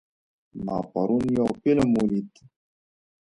ما پرون یو فلم ولید.